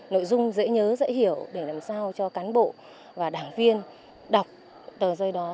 nội dung dễ nhớ dễ hiểu để làm sao cho cán bộ và đảng viên đọc tờ rơi đó